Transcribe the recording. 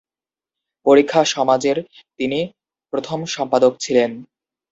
পরীক্ষা সমাজের তিনি প্রথম সম্পাদক ছিলেন।